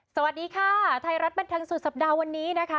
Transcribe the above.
สวัสดีค่ะไทยรัฐบันเทิงสุดสัปดาห์วันนี้นะคะ